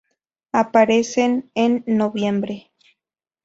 Aparecen en noviembre.